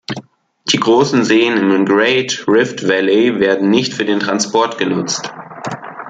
Die großen Seen im Great Rift Valley werden nicht für den Transport genutzt.